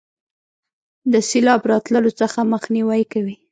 د سیلاب راتللو څخه مخنیوي کوي.